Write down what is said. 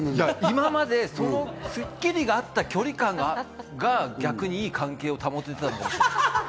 今まで『スッキリ』があった距離感が逆にいい環境を保ってたかもしれない。